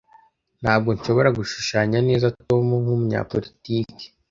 Ntabwo nshobora gushushanya neza Tom nkumunyapolitiki.